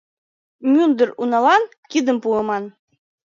Мӱндыр уналан кидым пуыман...